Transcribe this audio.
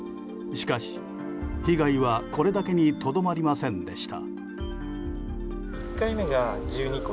しかし、被害はこれだけにとどまりませんでした。